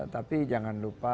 tapi jangan lupa